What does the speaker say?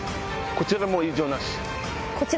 こちらも異常なし。